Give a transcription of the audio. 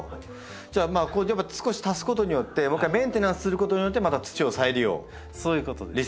じゃあまあ少し足すことによってもう一回メンテナンスすることによってまた土を再利用リサイクルできるという。